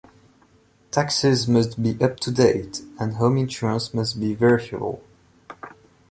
Taxes must be up to date and home insurance must be verifiable.